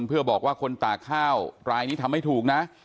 เพื่อบอกว่าคนตากข้าวรายนี้ทำไม่ถูกนะ